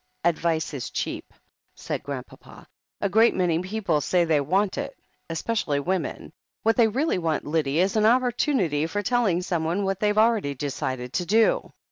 "Advice is cheap," said Grandpapa. "A great many people say they want it, especially women. What they really want, Lyddie, is an opportunity for telling some one what they have already decided to do.